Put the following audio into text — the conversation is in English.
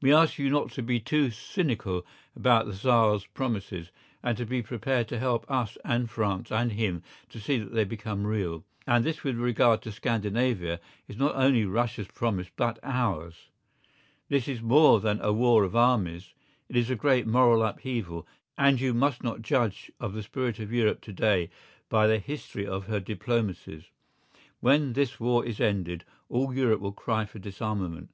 We ask you not to be too cynical about the Tsar's promises, and to be prepared to help us and France and him to see that they become real. And this with regard to Scandinavia, is not only Russia's promise but ours. This is more than a war of armies; it is a great moral upheaval, and you must not judge of the spirit of Europe to day by the history of her diplomacies. When this war is ended, all Europe will cry for disarmament.